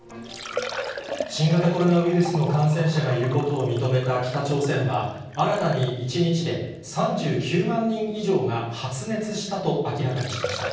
新型コロナウイルスの感染者がいることを認めた北朝鮮は、新たに１日で３９万人以上が発熱したと明らかにしました。